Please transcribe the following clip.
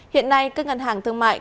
hiện nay các ngân hàng thương mại